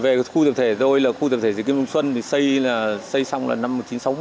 về khu tập thể rồi là khu tập thể diệp kim trung xuân xây xong là năm một nghìn chín trăm sáu mươi